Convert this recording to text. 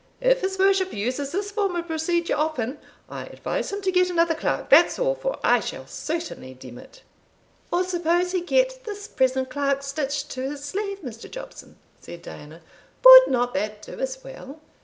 If his worship uses this form of procedure often, I advise him to get another clerk, that's all, for I shall certainly demit." "Or suppose he get this present clerk stitched to his sleeve, Mr. Jobson," said Diana; "would not that do as well?